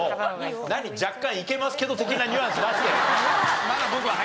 何若干いけますけど的なニュアンス出してるんだよ！